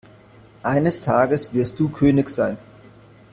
Eines Tages wirst du König sein.